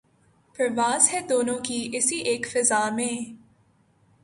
پرواز ہے دونوں کی اسی ایک فضا میں